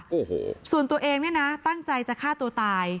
โอ้โหส่วนตัวเองเนี่ยนะตั้งใจจะฆ่าตัวตาย